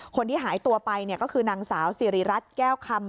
คนที่หายตัวไปก็คือนางสาวสิริรัตน์แก้วคำ